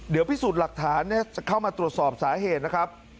เดี๋ยวพิสูจน์หลักฐานจะเข้ามาตรวจสอบสาเหตุนะครับ